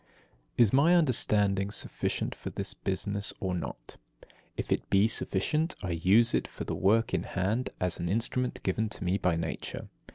5. Is my understanding sufficient for this business or not? If it be sufficient, I use it for the work in hand as an instrument given to me by nature.